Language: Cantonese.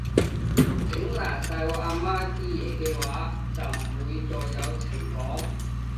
整爛晒我阿媽啲嘢嘅話，就唔會再有情講